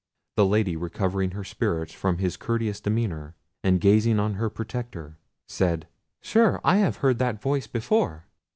The Lady recovering her spirits from his courteous demeanour, and gazing on her protector, said— "Sure, I have heard that voice before!"